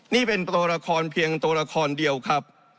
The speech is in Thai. นี่เป็นตัวละครเพียงตัวละครเดียวครับ